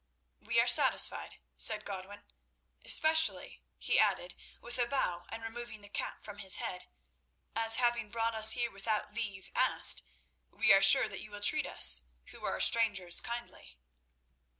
"We are satisfied," said Godwin, "especially," he added, with a bow and removing the cap from his head, "as, having brought us here without leave asked, we are sure that you will treat us who are strangers kindly."